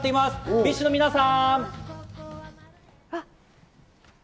ＢｉＳＨの皆さん。